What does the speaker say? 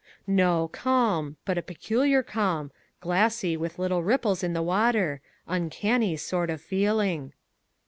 "No, calm, but a peculiar calm, glassy, with little ripples on the water, uncanny sort of feeling."